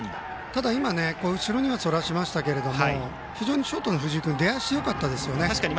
ただ、今後ろにはそらしましたが非常にショートの藤井君出足がよかったですね。